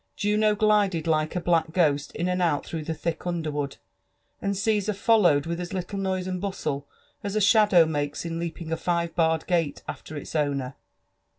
Juno glided like a black ghost in and out through the thick underwood, and Caesar followed with as little noise and bustle as a shadow makes in leaping a five barred gale after its owner.